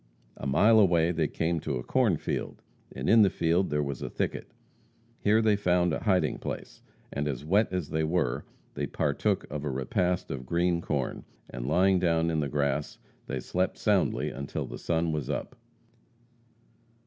A mile away they came to a cornfield, and in the field there was a thicket. Here they found a hiding place, and, as wet as they were, they partook of a repast of green corn, and lying down on the grass, they slept soundly until the sun was up.